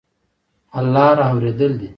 حل لاره اورېدل دي.